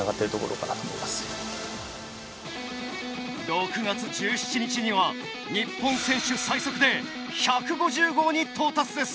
６月１７日には日本選手最速で１５０号に到達です。